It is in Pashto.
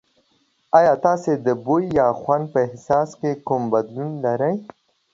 ایا تاسو د بوی یا خوند په احساس کې کوم بدلون لرئ؟